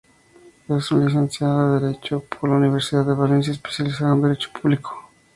Es licenciado en Derecho por la Universidad de Valencia, especializado en Derecho Público.